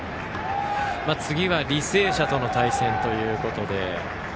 次は履正社との対戦ということで。